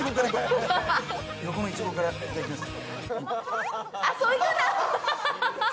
横のいちごからいただきます。